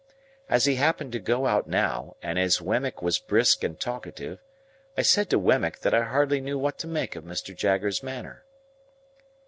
As he happened to go out now, and as Wemmick was brisk and talkative, I said to Wemmick that I hardly knew what to make of Mr. Jaggers's manner.